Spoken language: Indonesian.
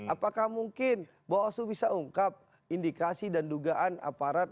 apakah mungkin bawaslu bisa ungkap indikasi dan dugaan aparat